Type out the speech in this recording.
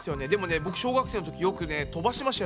僕小学生のときよくね飛ばしてましたよ。